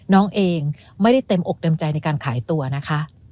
น้องเองไม่ได้เต็มอกเต็มใจในการขายตัวนะคะ